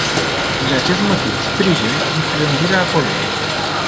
Din acest motiv, sprijin prelungirea acordului.